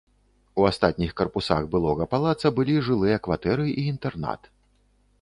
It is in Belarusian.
У астатніх карпусах былога палаца былі жылыя кватэры і інтэрнат.